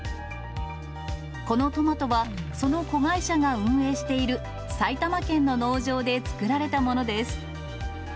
このトマトはその子会社が運営している、埼玉県の農場で作られたものです。